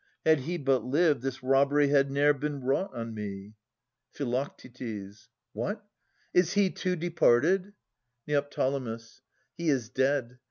Had he but Uved, This robbery had ne'er been wrought on me. Phi. What? Is he too departed? jsfgo. H!s is dead.